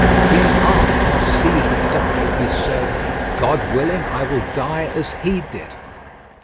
Being asked how Caesar died he said: "God willing I will die as he did."